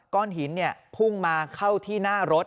ก้อนหินพุ่งมาเข้าที่หน้ารถ